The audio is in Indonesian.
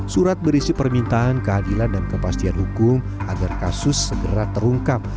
surat berisi permintaan keadilan dan kepastian hukum agar kasus segera terungkap